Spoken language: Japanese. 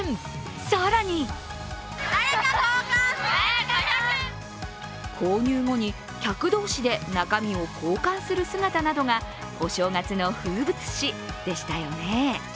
更に購入後に客同士で中身を交換する姿などがお正月の風物詩でしたよね？